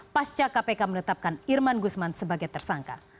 pasca kpk menetapkan irman gusman sebagai tersangka